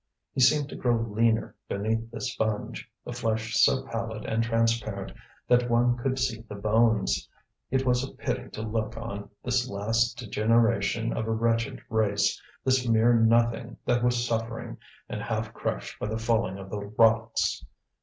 He seemed to grow leaner beneath the sponge, the flesh so pallid and transparent that one could see the bones. It was a pity to look on this last degeneration of a wretched race, this mere nothing that was suffering and half crushed by the falling of the rocks.